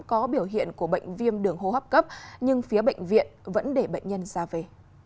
có biểu hiện của bệnh viêm đường hô hấp cấp nhưng phía bệnh viện vẫn để bệnh nhân ra về